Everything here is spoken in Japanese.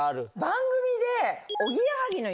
番組で。